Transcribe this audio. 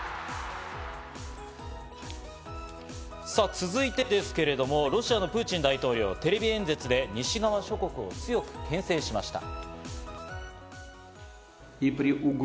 さぁ、続いてですけれども、ロシアのプーチン大統領、テレビ演説で西側諸国を強くけん制しました。